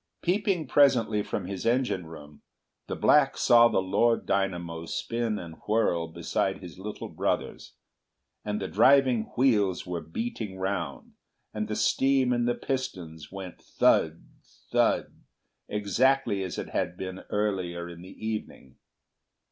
Peeping presently from his engine room the black saw the Lord Dynamo spin and whirl beside his little brothers, and the driving wheels were beating round, and the steam in the pistons went thud, thud, exactly as it had been earlier in the evening.